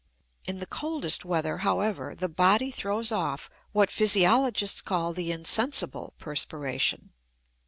In the coldest weather, however, the body throws off what physiologists call the "insensible perspiration."